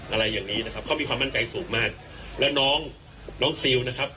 อะไรอย่างนี้นะครับเขามีความมั่นใจสูงมากแล้วน้องน้องซิลนะครับ